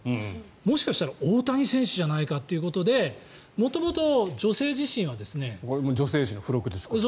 もしかしたら大谷選手じゃないかということでこれは女性誌の付録です。